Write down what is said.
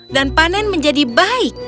dan panen menjadi baik